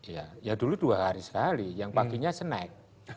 ya dulu dua hari sekali yang paginya snack